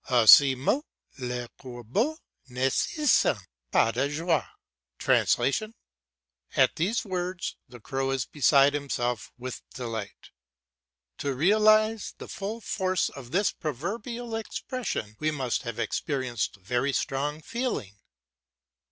"A ces mots le corbeau ne se sent pas de joie" (At these words, the crow is beside himself with delight). To realise the full force of this proverbial expression we must have experienced very strong feeling.